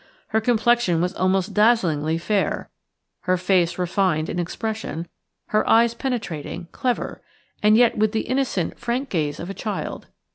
Her complexion was almost dazzlingly fair, her face refined in expression, her eyes penetrating, clever, and yet with the innocent, frank gaze of a child.